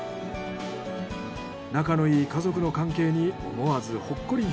仲の良い家族の関係に思わずほっこり。